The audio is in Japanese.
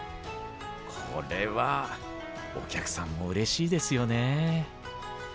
これはお客さんもうれしいですよね。